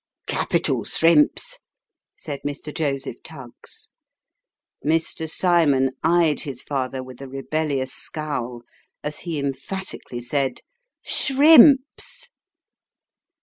" Capital srimps !" said Mr. Joseph Tuggs. Mr. Cymon eyed his father with a rebellious scowl, as he emphati cally said " Shrimps."